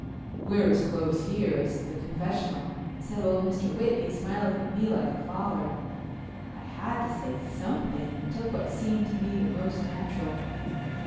"We're as close here as the confessional," said old Mr. Whitney, smiling at me like a father. I had to say something and took what seemed to me the most natural.